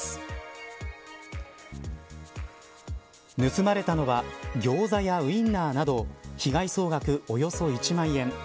盗まれたのはギョーザやウインナーなど被害総額およそ１万円。